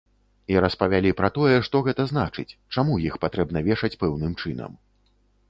І распавялі пра тое, што гэта значыць, чаму іх патрэбна вешаць пэўным чынам.